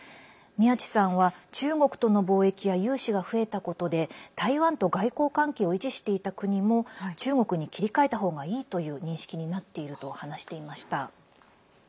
宮地さんは中国との貿易や融資が増えたことで台湾と外交関係を維持していた国も中国に切り替えたほうがいいという認識になっていると話していました。